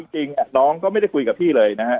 จริงน้องก็ไม่ได้คุยกับพี่เลยนะฮะ